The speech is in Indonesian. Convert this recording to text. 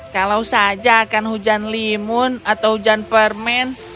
kalau saja akan hujan limun atau hujan permen